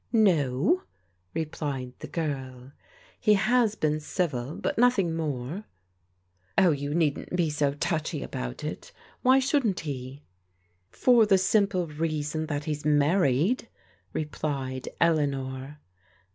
*'No," replied the girl. "He has been civil, but nothing more." 214 PEODIGAL DAUGHTEES "Oh, you needn't be so touchy about it Why shouldn't he?" "For the simple reason that he's married," replied Eleanor.